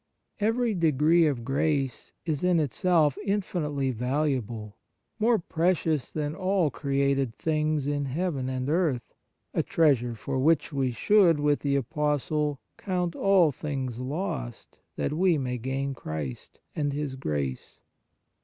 Every degree of grace is in itself infinitely valuable, more precious than all created things in heaven and earth, a treasure for which we should, with the Apostle, " count all things lost that we may gain Christ " and His grace.